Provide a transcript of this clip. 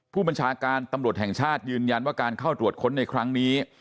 ผู้บัญชาการตำรวจแห่งชาติยืนยันว่าการเข้าตรวจค้นในครั้งนี้